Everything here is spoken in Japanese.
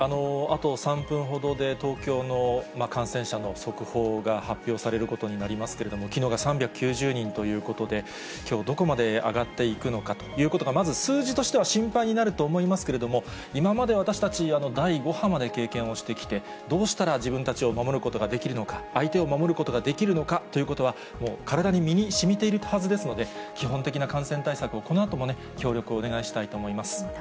あと３分ほどで、東京の感染者の速報が発表されることになりますけれども、きのうが３９０人ということで、きょうどこまで上がっていくのかということが、まず数字としては心配になるとは思いますけれども、今まで私たち、第５波まで経験をしてきて、どうしたら自分たちを守ることができるのか、相手を守ることができるのかということは、体に身にしみているはずですので、基本的な感染対策を、このあともね、協力をお願いしたいと思います。